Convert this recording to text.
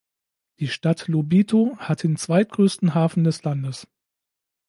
Die Stadt Lobito hat den zweitgrößten Hafen des Landes.